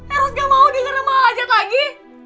eros gak mau dengerin emak ajat lagi